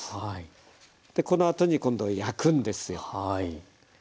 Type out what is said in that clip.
でこのあとに今度焼くんですよ。